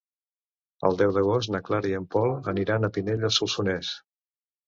El deu d'agost na Clara i en Pol aniran a Pinell de Solsonès.